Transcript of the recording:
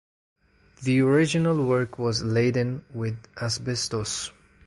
The original work was laden with asbestos.